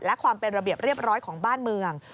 และความเป็นระเบียบเรียบร้อยของบ้านเมือง